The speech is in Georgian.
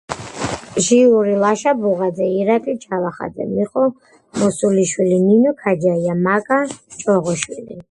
ჟიური: ლაშა ბუღაძე, ირაკლი ჯავახაძე, მიხო მოსულიშვილი, ნინო ქაჯაია, მაკა ჭოღოშვილი.